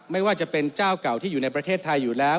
ไม่ว่าจะเป็นเจ้าเก่าที่อยู่ในประเทศไทยอยู่แล้ว